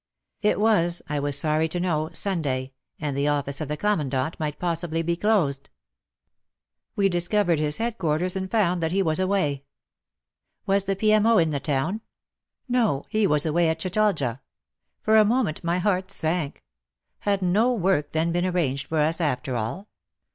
It was, I was sorry to know, Sunday, and the office of the Commandant might possibly be closed. We discovered his headquarters and found that he was away ! *'Was the P.M.O. in the town?" *' No— he was away at Chatalja !" For a moment my heart sank. Had no work then been arranged for us, after all